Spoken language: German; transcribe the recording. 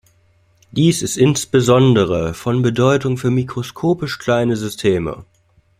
Dies ist insbesondere von Bedeutung für mikroskopisch kleine Systeme.